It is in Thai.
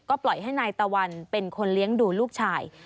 ปล่อยให้นายตะวันเป็นคนเลี้ยงดูลูกชาย